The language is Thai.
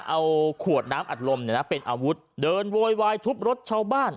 เอาขวดน้ำอัดลมเนี่ยนะเป็นอาวุธเดินโวยวายทุบรถชาวบ้าน